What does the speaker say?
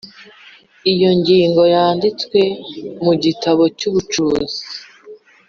Iyo ngingo yanditswe mu gitabo cy’ubucuruzi